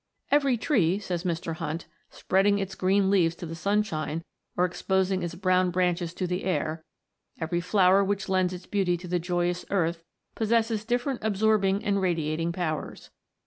" Every tree," says Mr. Hunt, " spreading its green leaves to the sunshine, or ex posing its brown branches to the air, every flower which lends its beauty to the joyous earth, possesses different absorbing and radiating powers.